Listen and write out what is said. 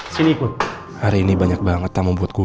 sini ikut hari ini banyak banget tamu buat gue